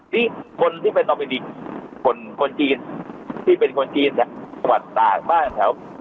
นี่คนที่เป็นคนจีนที่เป็นคนจีนแหละสวัสดิ์ต่างบ้านแถว